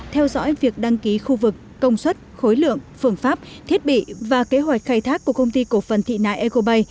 theo dõi việc đăng ký khu vực công suất khối lượng phương pháp thiết bị và kế hoạch khai thác của công ty cổ phần thị nại ecobay